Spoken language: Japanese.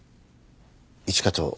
一課長